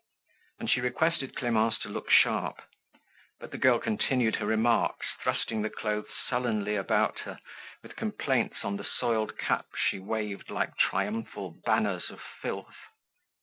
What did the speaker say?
And she requested Clemence to look sharp. But the girl continued her remarks, thrusting the clothes sullenly about her, with complaints on the soiled caps she waved like triumphal banners of filth.